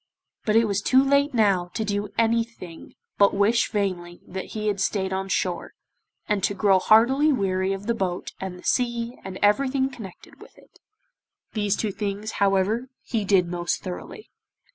But it was too late now to do anything but wish vainly that he had stayed on shore, and to grow heartily weary of the boat and the sea and everything connected with it. These two things, however, he did most thoroughly.